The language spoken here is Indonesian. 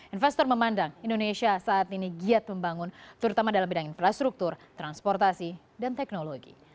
investor memandang indonesia saat ini giat membangun terutama dalam bidang infrastruktur transportasi dan teknologi